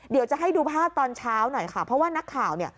เดี๋ยวจะให้ดูแพดตอนเช้าหน่อยเพราะว่านักข่าว